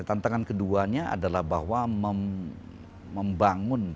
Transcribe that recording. tantangan keduanya adalah bahwa membangun